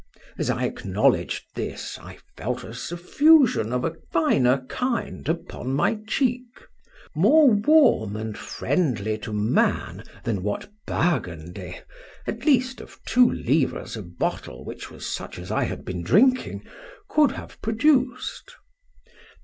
As I acknowledged this, I felt a suffusion of a finer kind upon my cheek—more warm and friendly to man, than what Burgundy (at least of two livres a bottle, which was such as I had been drinking) could have produced.